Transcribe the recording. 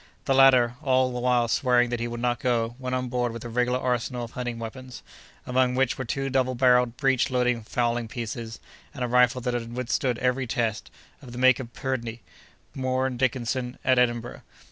The latter, all the while swearing that he would not go, went on board with a regular arsenal of hunting weapons, among which were two double barrelled breech loading fowling pieces, and a rifle that had withstood every test, of the make of Purdey, Moore & Dickson, at Edinburgh.